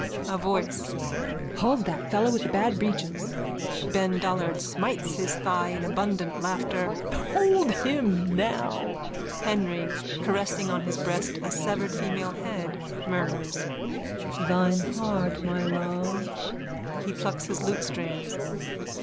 A VOICE: Hold that fellow with the bad breeches. BEN DOLLARD: (Smites his thigh in abundant laughter.) Hold him now. HENRY: (Caressing on his breast a severed female head, murmurs.) Thine heart, mine love. _(He plucks his lutestrings.)